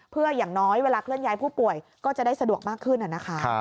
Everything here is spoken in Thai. เพื่ออย่างน้อยเวลาเคลื่อนย้ายผู้ป่วยก็จะได้สะดวกมากขึ้นนะคะ